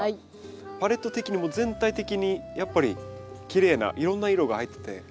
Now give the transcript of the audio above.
パレット的にも全体的にやっぱりきれいないろんな色が入ってて。